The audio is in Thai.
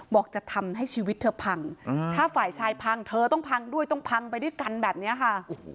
บอกจะทำให้ชีวิตเธอพังถ้าฝ่ายชายพังเธอต้องพังด้วยต้องพังไปด้วยกันแบบนี้ค่ะ